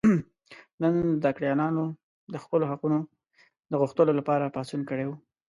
نن زده کړیالانو د خپلو حقونو د غوښتلو لپاره پاڅون کړی و.